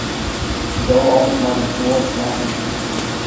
Do altyd mei dyn snoade slaggen.